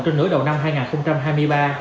trên nửa đầu năm hai nghìn hai mươi ba